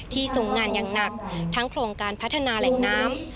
ทรงงานอย่างหนักทั้งโครงการพัฒนาแหล่งน้ำ